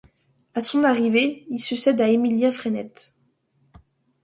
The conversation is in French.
À son arrivée, il succède à Émilien Frenette.